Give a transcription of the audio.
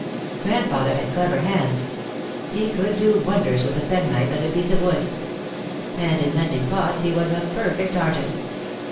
Grandfather had clever hands. He could do wonders with a penknife and a piece of wood. And in mending pots he was a perfect artist.